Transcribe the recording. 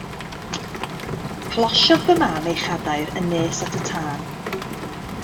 Closiodd fy mam ei chadair yn nes at y tân.